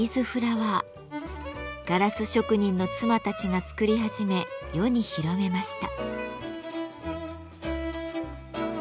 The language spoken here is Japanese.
ガラス職人の妻たちが作り始め世に広めました。